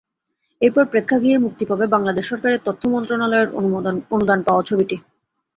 এরপর প্রেক্ষাগৃহে মুক্তি পাবে বাংলাদেশ সরকারের তথ্য মন্ত্রণালয়ের অনুদান পাওয়া ছবিটি।